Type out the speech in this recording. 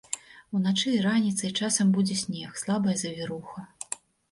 Уначы і раніцай часам будзе снег, слабая завіруха.